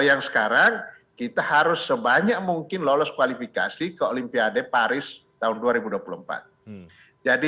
yang sekarang kita harus sebanyak mungkin lolos kualifikasi ke olimpiade paris tahun dua ribu dua puluh empat jadi